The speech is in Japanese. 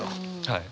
はい。